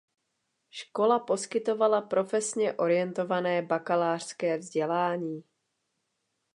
Škola poskytovala profesně orientované bakalářské vzdělání.